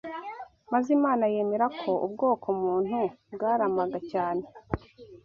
Maze Imana yemera ko ubwoko muntu bwaramaga cyane